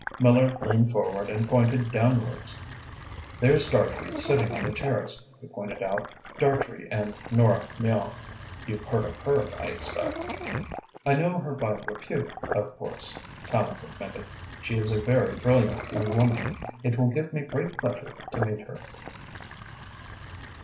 Miller leaned forward and pointed downwards. "There's Dartrey sitting on the terrace," he pointed out. "Dartrey and Nora Miall. You've heard of her, I expect?" "I know her by repute, of course," Tallente admitted. "She is a very brilliant young woman. It will give me great pleasure to meet her."